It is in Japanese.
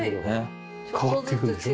変わっていくんでしょ？